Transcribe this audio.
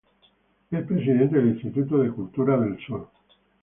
Es presidente del Instituto de Cultura del Sur.